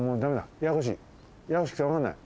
ややこしくてわかんない。